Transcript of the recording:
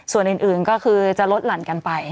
ส่วนอื่นก็คือจะลดหลั่นกันไป